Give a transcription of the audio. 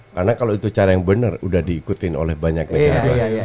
karena kalau itu cara yang benar udah diikutin oleh banyak negara